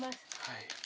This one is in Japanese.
はい。